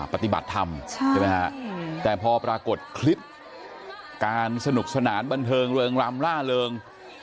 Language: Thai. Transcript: ปฏิบัติธรรมใช่ไหมฮะแต่พอปรากฏคลิปการสนุกสนานบันเทิงเริงรำล่าเริง